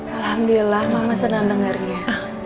alhamdulillah mama senang dengarnya